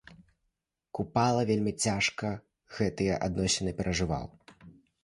Купала вельмі цяжка гэтыя адносіны перажываў.